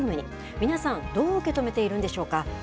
皆さん、どう受け止めているんでしょうか。